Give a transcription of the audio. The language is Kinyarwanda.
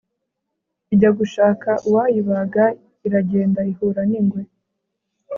ijya gushaka uwayibaga, iragenda ihura n'ingwe